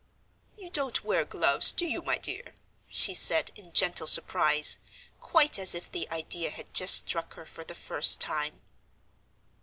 "You don't wear gloves, do you, my dear?" she said, in gentle surprise, quite as if the idea had just struck her for the first time.